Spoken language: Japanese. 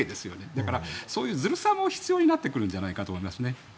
だから、そういうずるさも必要になってくるんじゃないかと思いますね。